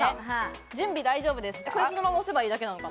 準備大丈夫ですか？